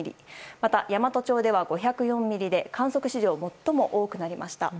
また山都町では５０４ミリで観測史上最も多くなりました。